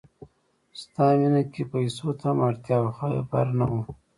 ستا مینه کې پیسو ته هم اړتیا وه خبر نه وم